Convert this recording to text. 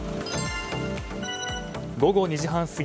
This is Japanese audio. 午後２時半過ぎ